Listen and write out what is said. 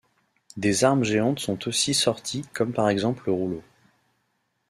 Des armes géantes sont aussi sorties comme par exemple le rouleau.